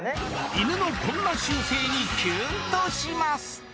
犬のこんな習性にキュンとします